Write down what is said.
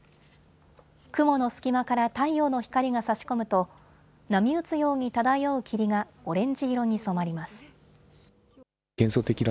雲の隙間から太陽の光がさし込むと波打つように漂う霧がオレンジ色に染まります。